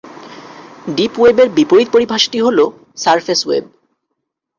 Deep ওয়েবের বিপরীত পরিভাষাটি হলঃ "সারফেস ওয়েব"।